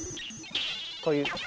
こういう。